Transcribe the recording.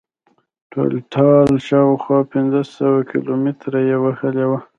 ټولټال شاوخوا پنځه سوه کیلومتره یې وهلې وه.